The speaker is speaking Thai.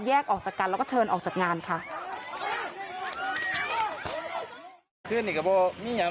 ออกจากกันแล้วก็เชิญออกจากงานค่ะ